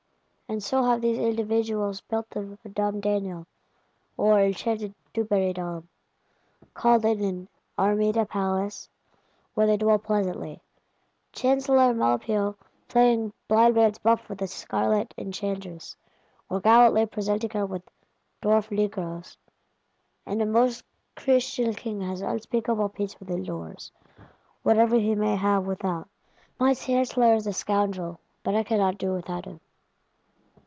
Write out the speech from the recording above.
And so have these individuals (verily by black art) built them a Domdaniel, or enchanted Dubarrydom; call it an Armida Palace, where they dwell pleasantly; Chancellor Maupeou "playing blind man's buff" with the scarlet Enchantress; or gallantly presenting her with dwarf Negroes;—and a Most Christian King has unspeakable peace within doors, whatever he may have without. "My Chancellor is a scoundrel; but I cannot do without him."